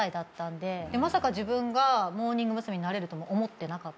でまさか自分がモーニング娘。になれるとも思ってなかった。